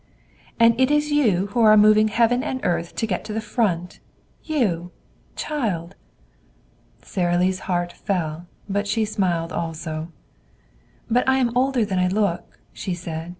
"And it is you who are moving heaven and earth to get to the Front! You child!" Sara Lee's heart fell, but she smiled also. "But I am older than I look," she said.